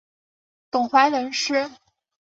董槐人士。